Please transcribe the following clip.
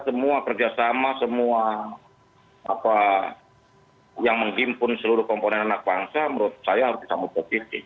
semua kerjasama semua yang menggimpun seluruh komponen anak bangsa menurut saya harus disambung ke diri